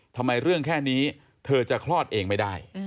ทำไมเรื่องแค่นี้เธอจะคลอดเองไม่ได้